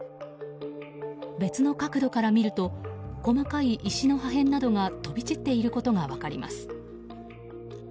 別の角度から見ると細かい石の破片などが飛び散っていることが分かります。